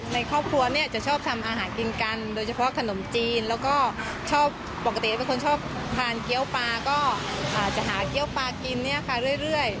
ในครอบครัวเนี่ยจะชอบทำอาหารกินกันโดยเฉพาะขนมจีนแล้วก็ชอบปกติเป็นคนชอบทานเกี้ยวปลาก็จะหาเกี้ยวปลากินเนี่ยค่ะเรื่อย